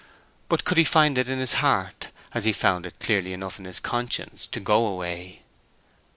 But could he find it in his heart—as he found it clearly enough in his conscience—to go away?